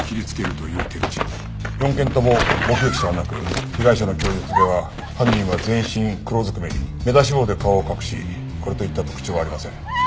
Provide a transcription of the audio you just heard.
４件とも目撃者はなく被害者の供述では犯人は全身黒ずくめに目出し帽で顔を隠しこれといった特徴はありません。